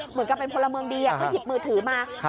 เหมือนกับเป็นพลเมืองดีเขาหยิบมือถือมา